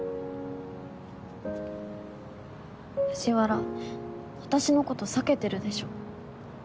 藤原私のこと避けてるでしょ。